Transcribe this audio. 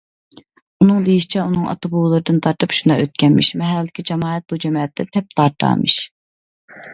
ئۇنىڭ دېيىشىچە ئۇنىڭ ئاتا- بوۋىلىرىدىن تارتىپ شۇنداق ئۆتكەنمىش، مەھەلىدىكى جامائەت بۇ جەمەتتىن تەپ تارتارمىش.